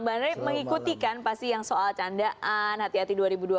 bang andri mengikutikan pasti yang soal candaan hati hati dua ribu dua puluh empat